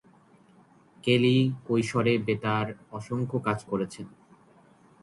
কেলি কৈশোরে বেতার অসংখ্য কাজ করেছেন।